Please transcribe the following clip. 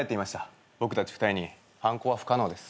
僕たち２人に犯行は不可能です。